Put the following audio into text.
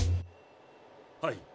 はい。